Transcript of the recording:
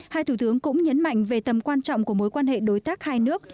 hai thủ tướng cũng nhấn mạnh về tầm quan trọng của mối quan hệ đối tác hai nước